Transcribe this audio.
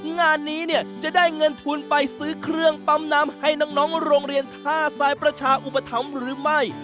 งานนี้เนี่ยจะได้เงินทุนไปซื้อเครื่องปั๊มน้ำให้น้องโรงเรียนท่าทรายประชาอุปถัมภ์หรือไม่